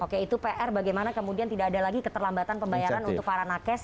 oke itu pr bagaimana kemudian tidak ada lagi keterlambatan pembayaran untuk para nakes